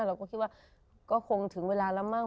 เราก็คิดว่าก็คงถึงเวลาแล้วมั้